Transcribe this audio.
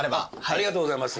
ありがとうございます。